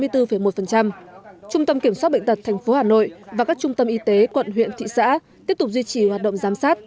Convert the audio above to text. trung tâm kiểm soát bệnh tật tp hà nội và các trung tâm y tế quận huyện thị xã tiếp tục duy trì hoạt động giám sát